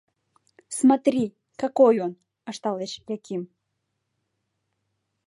Смотри, какой он, — ышталеш Яким.